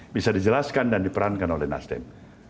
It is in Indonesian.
bisa dijelaskan dan diperankan oleh nasdem